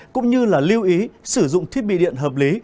cũng như là lưu ý sử dụng thiết bị điện hợp lý